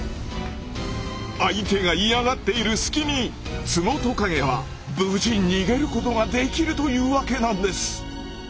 相手が嫌がっている隙にツノトカゲは無事逃げることができるというわけなんです。